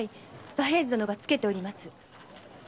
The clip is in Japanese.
左平次殿がつけております。